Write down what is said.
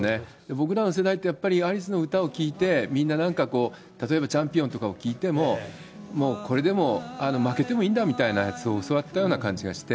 僕らの世代って、やっぱりアリスの歌を聴いて、みんななんかこう、例えばチャンピオンとかを聴いても、もうこれでも、負けてもいいんだみたいなやつを教わった感じがして。